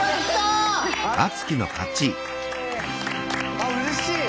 あうれしい！